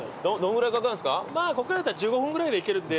まぁこっからだったら１５分ぐらいで行けるんで。